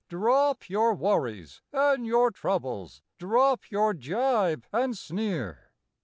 Drop your worries and your troubles; drop your gibe and sneer.